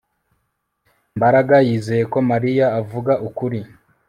Mbaraga yizeye ko Mariya avuga ukuri